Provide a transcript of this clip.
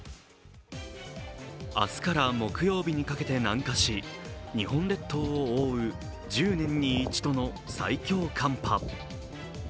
明日から木曜日にかけて南下し、日本列島を覆う１０年に一度の最強寒波。